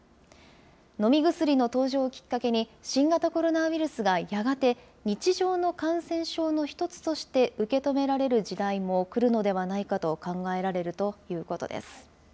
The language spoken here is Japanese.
飲み薬の登場をきっかけに、新型コロナウイルスがやがて日常の感染症の一つとして受け止められる時代も来るのではないかと考えられるということです。